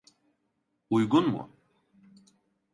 Uygun mu?